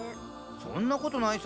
そんなことないさ。